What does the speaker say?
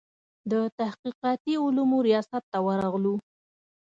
د تحقیقاتي علومو ریاست ته ورغلو.